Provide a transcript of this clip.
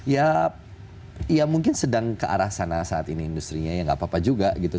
ya ya mungkin sedang ke arah sana saat ini industri nya ya gak apa apa juga gitu